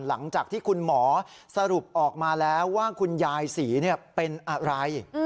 หลังจากที่คุณหมอสรุปออกมาแล้วว่าคุณยายศรีเป็นอะไร